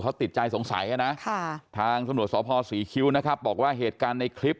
เขาจะมองเราเป็นคนไม่ดีไปเลยครับ